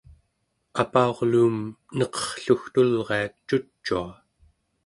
apa'urluum neqerrlugtulria cucua